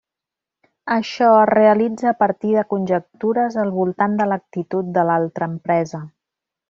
Això es realitza a partir de conjectures al voltant de l'actitud de l'altra empresa.